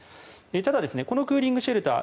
ただ、このクーリングシェルター